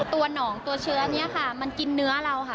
ตัวหนองตัวเชื้อนี้ค่ะมันกินเนื้อเราค่ะ